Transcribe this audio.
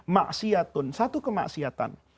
maksi'atun satu kemaksi'atan